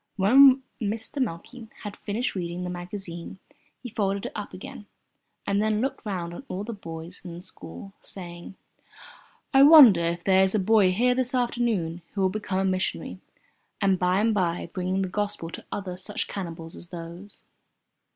When Mr. Meikle had finished reading the magazine he folded it up again and then looked round on all the boys in the school, saying: "I wonder if there is a boy here this afternoon who will become a missionary, and by and by bring the Gospel to other such cannibals as those?"